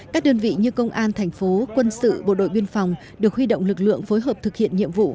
các đơn vị như công an thành phố quân sự bộ đội biên phòng được huy động lực lượng phối hợp thực hiện nhiệm vụ